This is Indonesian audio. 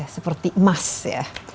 seperti emas ya